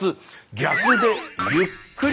「逆」で「ゆっくり」。